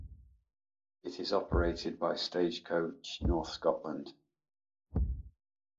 It is operated by Stagecoach North Scotland.